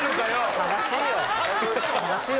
悲しいよ。